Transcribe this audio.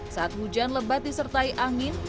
saat hujan lebat disertai angin